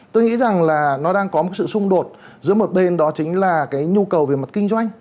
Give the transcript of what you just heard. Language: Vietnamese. tôi nghĩ rằng là nó đang có một sự xung đột giữa một bên đó chính là cái nhu cầu về mặt kinh doanh